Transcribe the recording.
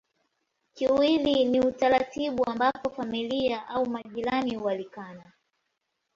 Kiwili ni utaratibu ambapo familia au majirani hualikana